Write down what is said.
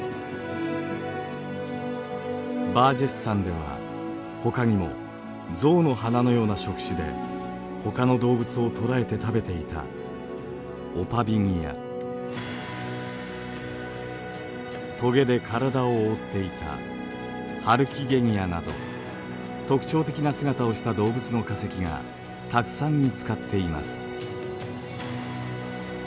バージェス山ではほかにも象の鼻のような触手でほかの動物を捕らえて食べていたとげで体を覆っていたハルキゲニアなど特徴的な姿をした動物の化石がたくさん見つかっています。